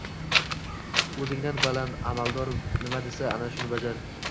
O’zingdan baland amaldor nima desa — ana shuni bajar.